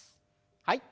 はい。